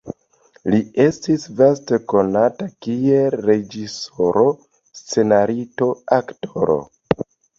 Li estis vaste konata kiel reĝisoro, scenaristo, aktoro.